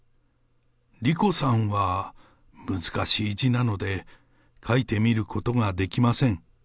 莉子さんは難しい字なので、書いてみることができません。